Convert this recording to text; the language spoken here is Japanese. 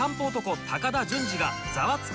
高田純次が『ザワつく！